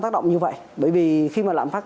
tác động như vậy bởi vì khi mà lạm phát